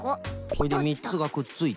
それでみっつがくっついた。